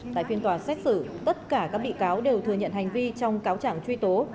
tại phiên tòa xét xử tất cả các bị cáo đều thừa nhận hành vi trong cáo chẳng truy tố